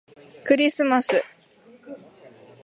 クリスマス